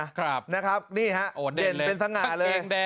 ครับนะครับนี่ฮะเด่นเป็นสง่าเลย